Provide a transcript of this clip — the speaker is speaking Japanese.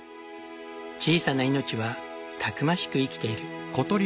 小さな命はたくましく生きている。